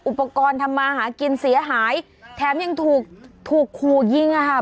อุปกรณ์ทำมาหากินเสียหายแถมยังถูกถูกขู่ยิงอ่ะค่ะ